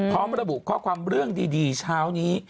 พร้อมระบุข้อความเรื่องดีเช้านี้